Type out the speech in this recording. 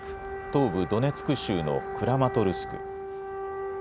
東部ドネツク州のクラマトルスク。